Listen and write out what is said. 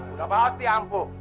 sudah pasti ampuh